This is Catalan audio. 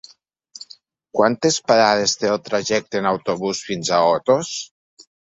Quantes parades té el trajecte en autobús fins a Otos?